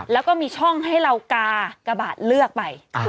แล้วก็มีช่องให้เรากากระบาดเลือกไป